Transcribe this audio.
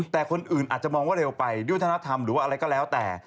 แต่คนอื่นอาจจะมองว่าเร็วไปด้วยธนธรรมหรือว่าอะไรก็แล้วแต่